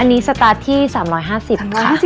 อันนี้สตาร์ทที่๓๕๐ค่ะ